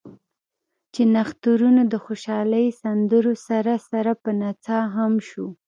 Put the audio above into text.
چې نښترونو د خوشالۍ سندرو سره سره پۀ نڅا هم شو ـ